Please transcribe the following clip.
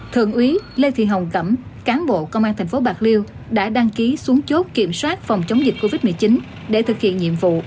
thượng úy lê thị hồng cẩm cán bộ công an tp bạc liêu đã đăng ký xuống chốt kiểm soát phòng chống dịch covid một mươi chín để thực hiện nhiệm vụ